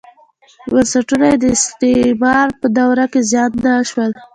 بنسټونه یې د استعمار په دوره کې زیان نه شول.